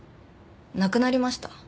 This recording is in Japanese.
亡くなりました。